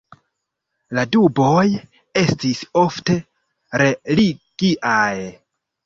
La duboj estis ofte religiaj.